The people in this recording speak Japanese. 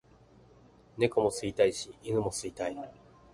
猫を吸いたいし犬も吸いたい